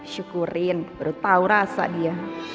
syukurin baru tahu rasa dia